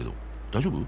大丈夫？